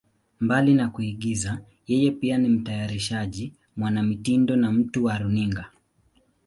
Mbali na kuigiza, yeye pia ni mtayarishaji, mwanamitindo na mtu wa runinga.